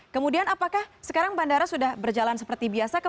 kemudian apakah sekarang bandara sudah berjalan seperti biasa